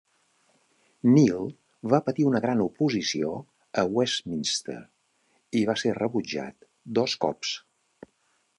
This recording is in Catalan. Neal va patir una gran oposició a Westminster i va ser rebutjat dos cops.